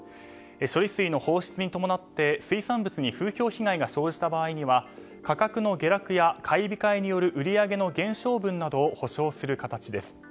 処理水の放出に伴って水産物に風評被害が生じた場合には価格の下落や買い控えによる売り上げの減少分などを補償する形です。